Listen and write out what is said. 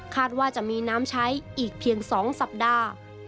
ว่าจะมีน้ำใช้อีกเพียง๒สัปดาห์